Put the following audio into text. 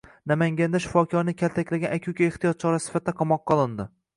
Namanganda shifokorni kaltaklagan aka-uka ehtiyot chorasi sifatida qamoqqa olindi